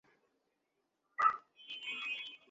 এই হচ্ছে ঠিক ঠিক স্বদেশপ্রেম।